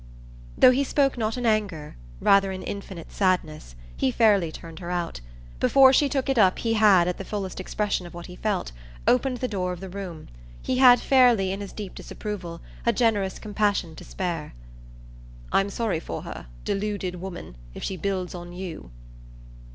Though he spoke not in anger rather in infinite sadness he fairly turned her out. Before she took it up he had, as the fullest expression of what he felt, opened the door of the room. He had fairly, in his deep disapproval, a generous compassion to spare. "I'm sorry for her, deluded woman, if she builds on you."